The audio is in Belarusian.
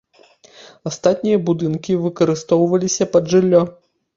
Астатнія будынкі выкарыстоўваліся пад жыллё.